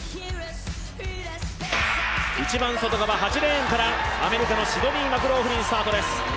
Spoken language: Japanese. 一番外側８レーンからアメリカのシドニー・マクローフリン、スタートです。